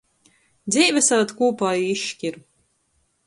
Dzeive savad kūpā i izškir.